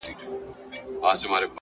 سمدستي سو د خپل پلار مخ ته ور وړاندي -